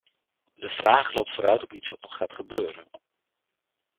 De vraag loopt vooruit op iets wat nog gaat gebeuren.